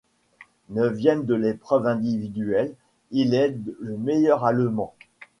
Neuvième de l'épreuve individuel, il est le meilleur Allemand.